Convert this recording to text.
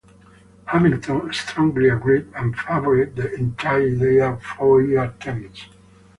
Hamilton strongly agreed and favored the entire idea of four-year terms.